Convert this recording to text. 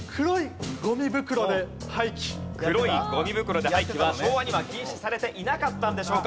黒いゴミ袋で廃棄は昭和には禁止されていなかったんでしょうか？